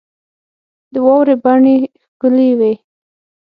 د واورې بڼې ښکلي وې.